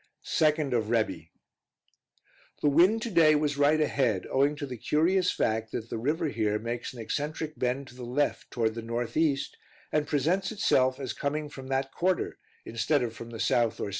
2d of Rebi. The wind to day was right ahead, owing to the curious fact that the river here makes an eccentric bend to the left, toward the north east, and presents itself as coming from that quarter instead of from the south or south west, as usual hitherto.